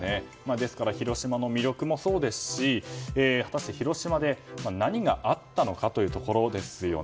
広島の魅力もそうですし果たして、広島で何があったのかというところですよね。